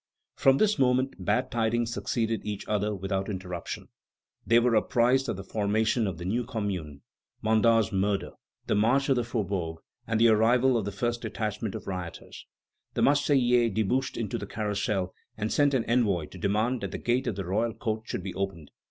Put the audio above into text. From this moment bad tidings succeeded each other without interruption. They were apprised of the formation of the new Commune, Mandat's murder, the march of the faubourgs, and the arrival of the first detachments of rioters. The Marseillais debouched into the Carrousel, and sent an envoy to demand that the gate of the Royal Court should be opened.